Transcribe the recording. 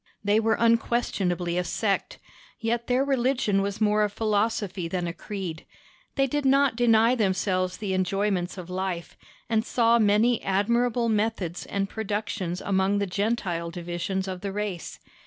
They were unquestionably a sect, yet their religion was more a philosophy than a creed; they did not deny themselves the enjoyments of life, and saw many admirable methods and productions among the Gentile divisions of the race.